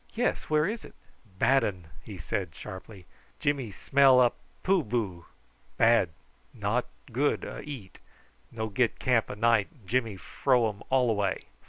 "Yes; where is it?" "Bad un!" he said sharply. "Jimmy smell up poo boo! Bad; not good a eat. No get camp a night. Jimmy fro um all away!"